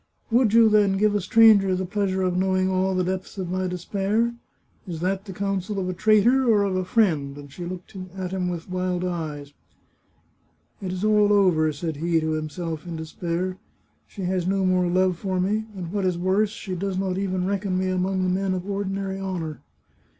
" Would you, then, give a stranger the pleasure of know ing all the depths of my despair? ... Is that the counsel of a traitor or of a friend ?" and she looked at him with wild eyes. " It is all over," said he to himself in despair, " She 302 The Chartreuse of Parma has no more love for me, and, what is worse, she does not even reckon me among men of ordinary honour."